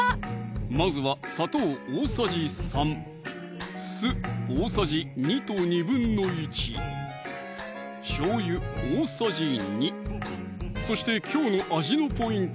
まずは砂糖大さじ３・酢大さじ２と１／２・しょうゆ大さじ２そしてきょうの味のポイント